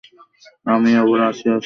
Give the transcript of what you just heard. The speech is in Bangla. আমিই হবো রাশিয়ার সেই প্রতাপশালী ভাল্লুক!